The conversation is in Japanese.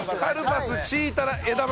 カルパスチータラ枝豆。